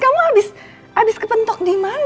kamu abis kepentok dimana